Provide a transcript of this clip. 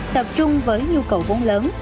tập trung với nhu cầu vốn lớn